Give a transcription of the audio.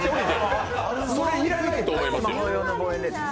それいらないと思いますよ。